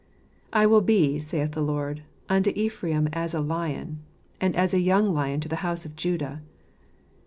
"I will be," saith the Lord, "unto Ephraim as a lion, and as a young lion to the house of Judah.